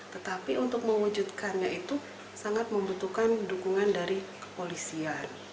tetapi untuk mewujudkannya itu sangat membutuhkan dukungan dari kepolisian